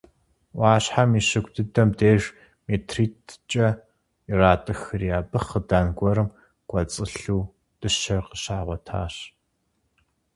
Ӏуащхьэм и щыгу дыдэм деж метритӏкӏэ иратӏыхри, абы хъыдан гуэрым кӏуэцӏылъу дыщэр къыщагъуэтащ.